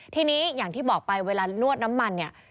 ทีนี้อย่างที่บอกไปเวลานวดน้ำมันเนี่ย